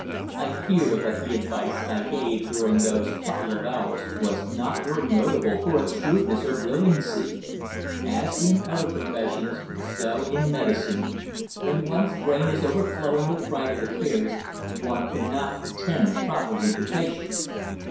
I fear that the advice I gave during those couple of hours was not very notable for its shrewdness or brilliancy. As in other professions, so in medicine, when one's brain is overflowing with private affairs, one cannot attend properly to patients.